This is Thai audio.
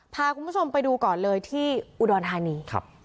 พาคุณผู้ชมไปดูก่อนเลยที่อุดรธานี